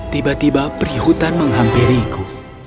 tiba tiba prihutan menghampiriiku